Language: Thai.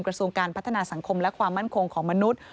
กระทรวงการพัฒนาสังคมและความมั่นคงของมนุษย์